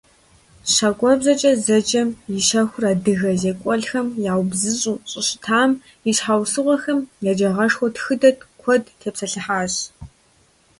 «ЩакӀуэбзэкӀэ» зэджэм и щэхур адыгэ зекӀуэлӀхэм яубзыщӀу щӀыщытам и щхьэусыгъуэхэм, еджагъэшхуэ тхыдэтх куэд тепсэлъыхьащ.